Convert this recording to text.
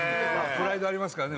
プライドありますからね